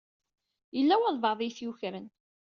Yella walebɛaḍ i yi-t-yukren.